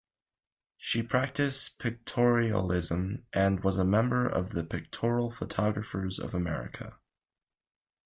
She practiced Pictorialism and was a member of the Pictorial Photographers of America.